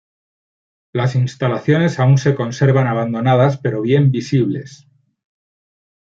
Las instalaciones aún se conservan abandonadas, pero bien visibles.